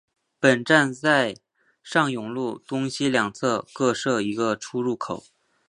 本站在上永路东西两侧各设一个出入口。